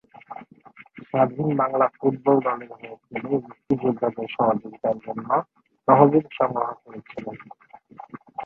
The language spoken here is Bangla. স্বাধীন বাংলা ফুটবল দলের হয়ে খেলে মুক্তিযোদ্ধাদের সহযোগিতার জন্য তহবিল সংগ্রহ করেছিলেন।